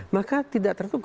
maka tidak tertunggu